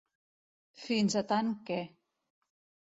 Fins a tant que.